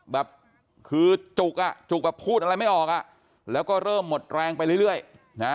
แบบคือจุกอ่ะจุกแบบพูดอะไรไม่ออกอ่ะแล้วก็เริ่มหมดแรงไปเรื่อยนะ